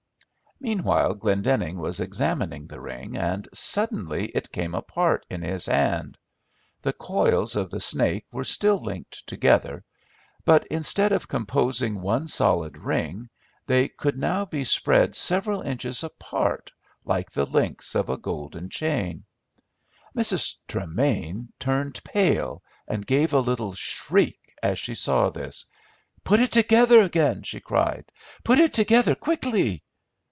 Meanwhile Glendenning was examining the ring, and suddenly it came apart in his hand. The coils of the snake were still linked together, but instead of composing one solid ring they could now be spread several inches apart like the links of a golden chain. Mrs. Tremain turned pale, and gave a little shriek, as she saw this. "Put it together again," she cried; "put it together quickly."